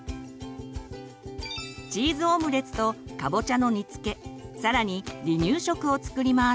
チーズオムレツとかぼちゃの煮つけ更に離乳食を作ります。